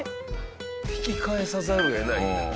引き返さざるを得ない。